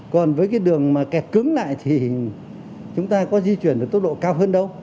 còn với cái đường mà kẹt cứng lại thì chúng ta có di chuyển được tốc độ cao hơn đâu